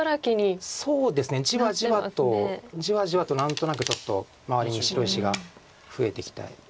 そうですねじわじわとじわじわと何となくちょっと周りに白石が増えて。